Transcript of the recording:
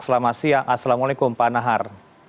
selamat siang assalamualaikum pak nahar